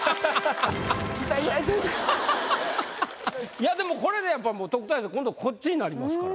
いやでもこれでやっぱ特待生今度こっちになりますから。